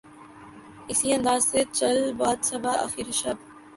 اسی انداز سے چل باد صبا آخر شب